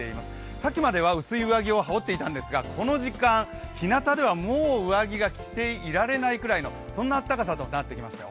さっきまでは薄い上着を羽織っていたんですがこの時間、ひなたではもう上着が着ていられないぐらいの暖かさとなっていますよ。